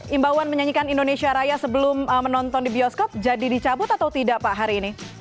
imbauan menyanyikan indonesia raya sebelum menonton di bioskop jadi dicabut atau tidak pak hari ini